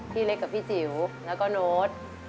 พี่เล็กกับพี่จิ๋วแล้วก็โน้ต